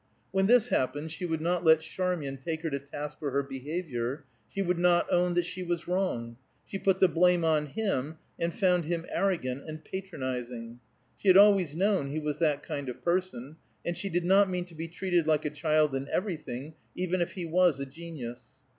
When this happened she would not let Charmian take her to task for her behavior; she would not own that she was wrong; she put the blame on him, and found him arrogant and patronizing. She had always known he was that kind of person, and she did not mean to be treated like a child in everything, even if he was a genius.